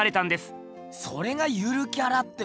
それが「ゆるキャラ」ってことか！